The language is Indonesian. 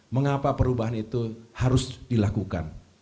mengapa perubahan itu harus dilakukan